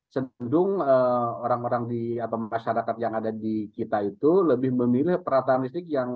cenderung orang orang di atau masyarakat yang ada di kita itu lebih memilih perataan listrik yang